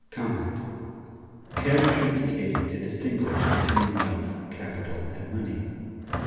Care should be taken to distinguish between wealth, capital, and money.